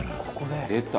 「ここでね」